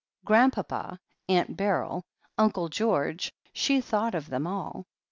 Grandpapa — Aunt Beryl — Uncle George — she thought of them all.